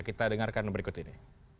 kita dengarkan berikut ini